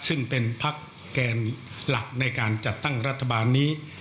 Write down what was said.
ซึ่งเป็นพักแกนหลักในการจัดตั้งรัฐบาลนี้